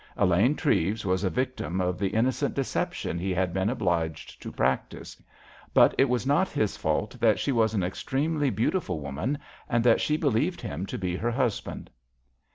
Elaine Treves was a victim of the innocent deception he had been obliged to practise. But it was not his fault that she was an extremely beautiful woman, and that she believed him to be her husband.